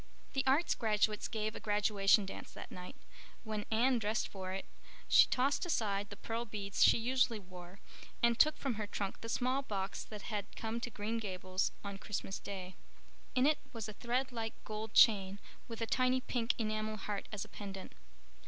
The Arts graduates gave a graduation dance that night. When Anne dressed for it she tossed aside the pearl beads she usually wore and took from her trunk the small box that had come to Green Gables on Christmas day. In it was a thread like gold chain with a tiny pink enamel heart as a pendant.